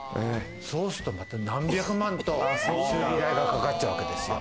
そうすると、また何百万と修理代がかかっちゃうわけですよ。